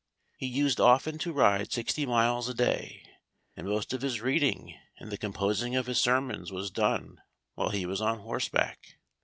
He used often to ride sixty miles a day; and most of his reading, and the composing of his sermons was done while he was on horseback.